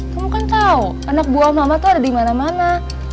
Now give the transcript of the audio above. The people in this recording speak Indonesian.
kamu kan tau anak buah mama tuh ada dimana mana